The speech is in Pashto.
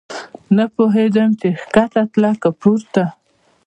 نه پوهېدم چې کښته تله که پورته.